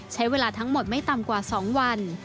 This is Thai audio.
ใช้เวลาทั้งหมดไม่ต่ำกว่า๒วัน